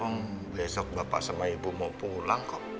om besok bapak sama ibu mau pulang kok